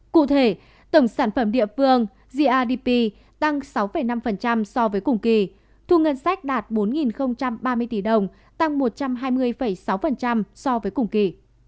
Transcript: cụ thể tổng sản phẩm địa phương grdp tăng sáu năm so với cùng kỳ thu ngân sách đạt bốn ba mươi tỷ đồng tăng một trăm hai mươi sáu so với cùng kỳ